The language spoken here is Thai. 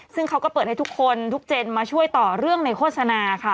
ซึ่งเขาก็เปิดให้ทุกคนทุกเจนมาช่วยต่อเรื่องในโฆษณาค่ะ